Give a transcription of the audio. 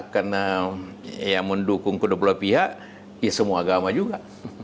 karena yang mendukung kedua dua pihak ya semua agama juga